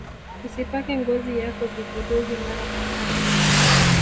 usipake ngozi yako vipodozi mara kwa mara